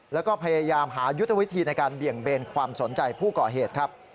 แล้วก็พยายามหายุทธวิธีในการเบี่ยงเบนความสนใจผู้ก่อเหตุครับ